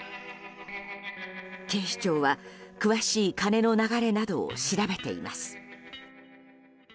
警視庁は詳しい金の流れなどを調べています。